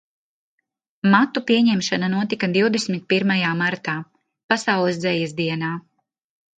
Matu pieņemšana notika divdesmit pirmajā martā, Pasaules Dzejas dienā.